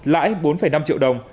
lãi bốn năm triệu đồng